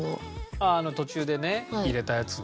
ああ途中でね入れたやつね。